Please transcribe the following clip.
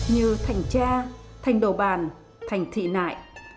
như thành cha thành đồ bàn thành thị nại